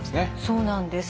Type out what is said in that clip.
そうなんです。